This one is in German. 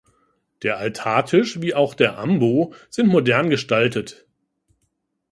Der Altartisch wie auch der Ambo sind modern gestaltet.